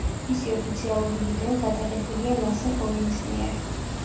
მისი ოფიციალური ვიდეო გადაღებულია ლასე ჰოილის მიერ.